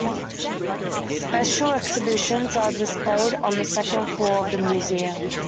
Special exhibitions are displayed on the second floor of the museum.